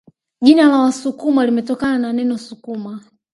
Jina la Wasukuma limetokana na neno sukuma